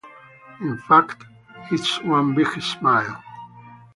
In fact, it’s one big smile.